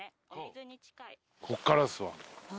こっからですわ。